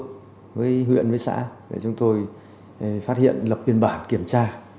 phối hợp với huyện với xã để chúng tôi phát hiện lập biên bản kiểm tra